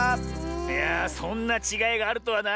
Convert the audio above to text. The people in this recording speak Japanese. いやあそんなちがいがあるとはな。